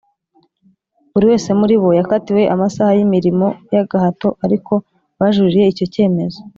Buri wese muri bo yakatiwe amasaha y imirimo y agahato ariko bajuririye icyo cyemezo